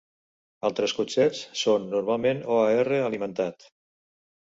Altres cotxets són normalment OAR alimentat.